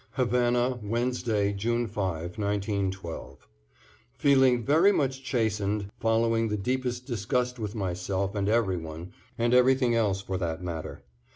=Havana, Wednesday, June 5, 1912.= Feeling very much chastened, following the deepest disgust with myself and everyone, and everything else for that matter.